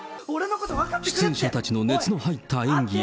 出演者たちの熱の入った演技や。